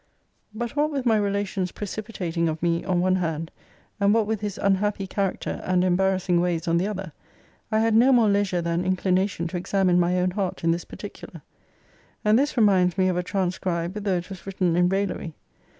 But what with my relations precipitating of me, on one hand, and what with his unhappy character, and embarrassing ways, on the other, I had no more leisure than inclination to examine my own heart in this particular. And this reminds me of a transcribe, though it was written in raillery.